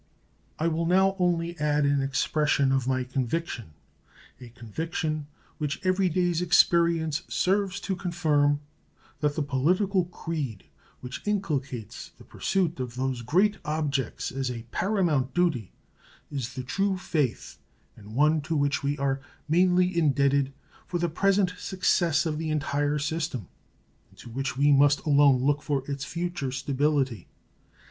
I will now only add an expression of my conviction a conviction which every day's experience serves to confirm that the political creed which inculcates the pursuit of those great objects as a paramount duty is the true faith, and one to which we are mainly indebted for the present success of the entire system, and to which we must alone look for its future stability.